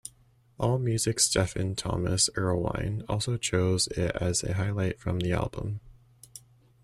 Allmusic's Stephen Thomas Erlewine also chose it as a highlight from the album.